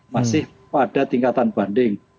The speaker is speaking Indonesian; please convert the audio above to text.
masih pada tingkatan banding